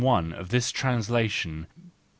of this Translation, pp.